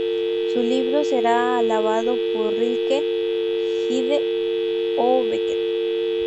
Su libro será alabado por Rilke, Gide o Beckett.